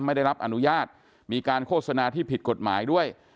ไม่ได้รับอนุญาตมีการโฆษณาที่ผิดกฎหมายด้วย